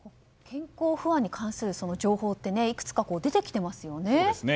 健康不安に関する情報っていくつか出てきていますよね。